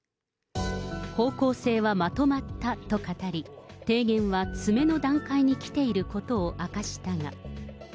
方向性はまとまったと語り、提言は詰めの段階に来ていることを明かしたが。